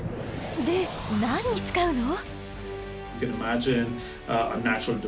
で何に使うの？